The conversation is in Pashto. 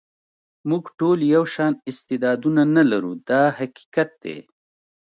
موږ ټول یو شان استعدادونه نه لرو دا حقیقت دی.